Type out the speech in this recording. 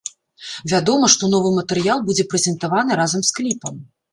Вядома, што новы матэрыял будзе прэзентаваны разам з кліпам.